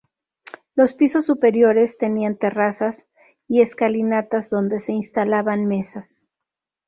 Los pisos superiores tenían terrazas y escalinatas donde se instalaban mesas.